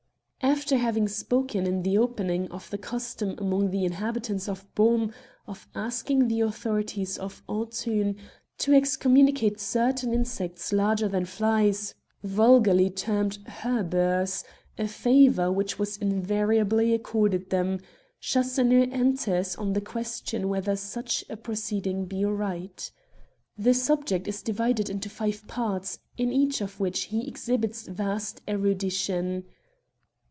62 Queer Culprits After having spoken, in the opening, of the custom among the inhabitants of Beaume of asking the authorities of Autun to excommunicate certain insects larger than flies, vulgarly termed httreburs, a favour which was invariably accorded them, Chasseneux enters on the question whether such a proceeding be right The subject is divided into five parts, in each of which he exhibits vast erudition.